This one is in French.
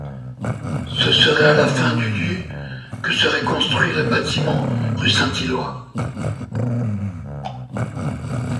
Ce serait à la fin du du que serait construit le bâtiment rue Saint-Éloi.